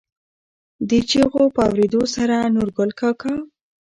دې چېغو په اورېدو سره نورګل کاکا.